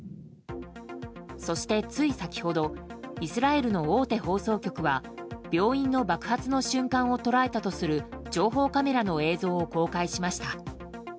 そして、つい先ほどイスラエルの大手放送局は病院の爆発の瞬間を捉えたとする情報カメラの映像を公開しました。